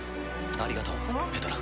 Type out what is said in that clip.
ありがとうペトラ。